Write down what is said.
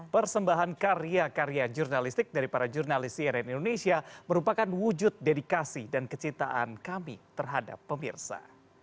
persembahan karya karya jurnalistik dari para jurnalis cnn indonesia merupakan wujud dedikasi dan kecintaan kami terhadap pemirsa